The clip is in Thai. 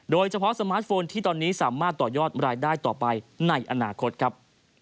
สมาร์ทโฟนที่ตอนนี้สามารถต่อยอดรายได้ต่อไปในอนาคตครับ